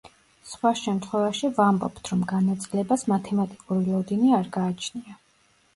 სხვა შემთხვევაში ვამბობთ, რომ განაწილებას მათემატიკური ლოდინი არ გააჩნია.